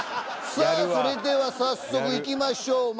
さあそれでは早速いきましょう。